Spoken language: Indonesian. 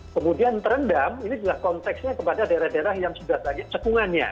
kemudian terendam ini juga konteksnya kepada daerah daerah yang sudah banyak cekungannya